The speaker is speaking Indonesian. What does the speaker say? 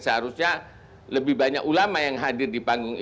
seharusnya lebih banyak ulama yang hadir di panggung ini